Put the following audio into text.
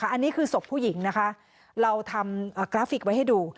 อันนี้คือศพผู้หญิงนะคะเราทำกราฟิกไว้ให้ดู